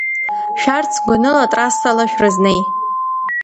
Шәарҭ, сгәаныла, атрассала шәрызнеи.